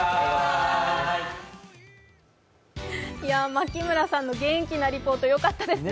牧村さんの元気なリポート良かったですね。